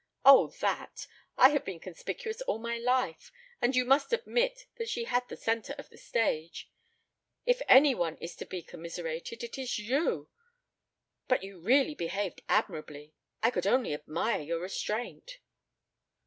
"Oh, that! I have been conspicuous all my life. And you must admit that she had the centre of the stage! If any one is to be commiserated, it is you. But you really behaved admirably; I could only admire your restraint."